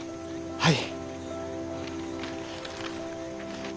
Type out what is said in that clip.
はい！